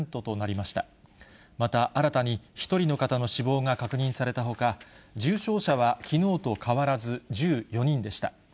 また新たに１人の方の死亡が確認されたほか、重症者はきのうと変わらず、１４人でした。